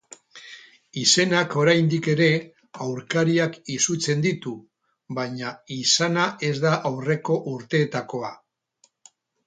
Izenak oraindik ere aurkariak izutzen ditu, baina izana ez da aurreko urteetakoa.